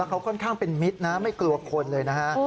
เขาค่อนข้างเป็นมิตรนะไม่กลัวคนเลยนะฮะ